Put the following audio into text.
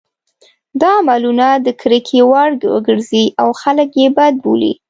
دا عملونه د کرکې وړ وګرځي او خلک یې بد بولي.